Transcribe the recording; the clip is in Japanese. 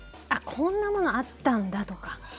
こんなものあったんだとか。